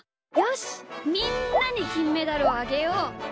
よしみんなにきんメダルをあげよう。